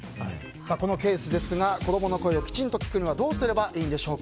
このケース、子供の声をきちんと聞くにはどうすればいいんでしょうか。